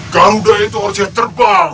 garuda itu harusnya terbang